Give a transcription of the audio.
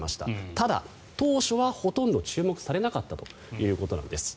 ただ、当初はほとんど注目されなかったということなんです。